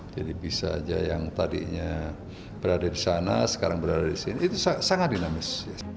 jadi bisa saja yang tadinya berada di sana sekarang berada di sini itu sangat dinamis